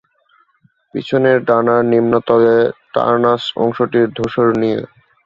পিছনের ডানার নিম্নতলে টর্নাস অংশটি ধূসর নীল।